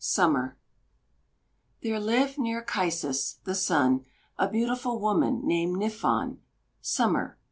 SUMMER There lived near "Kīsus," the Sun, a beautiful woman named "Niffon," Summer.